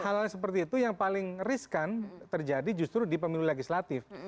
hal hal seperti itu yang paling riskan terjadi justru di pemilu legislatif